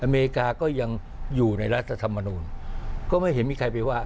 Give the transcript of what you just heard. อเมริกาก็ยังอยู่ในรัฐธรรมนูลก็ไม่เห็นมีใครไปว่า